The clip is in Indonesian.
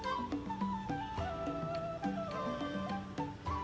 kota pematang siantar